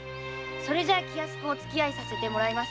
それじゃ気安くおつきあいさせてもらいます。